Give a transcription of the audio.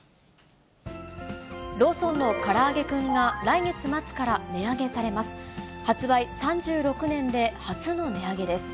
ローソンのからあげクンが、来月末から値上げされます。